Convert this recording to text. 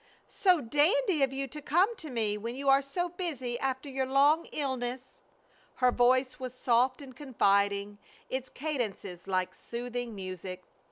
"So dandy of you to come to me when you are so busy after your long illness." Her voice was soft and confiding, its cadences like soothing music.